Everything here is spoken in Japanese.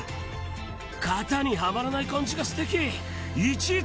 型にはまらない感じがすてき。